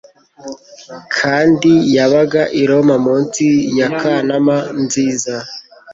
Kandi yabaga i Roma munsi ya Kanama nziza